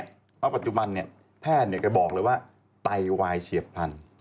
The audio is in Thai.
เพราะปัจจุบันแพทย์แกบอกเลยว่าไตวายเฉียบพลัน